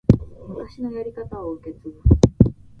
昔のやり方を受け継ぐ